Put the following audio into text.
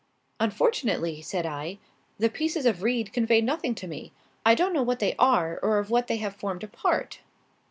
"Unfortunately," said I, "the pieces of reed convey nothing to me. I don't know what they are or of what they have formed a part."